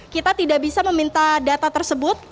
kita tidak bisa meminta data tersebut